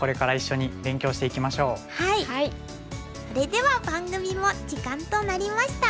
それでは番組も時間となりました。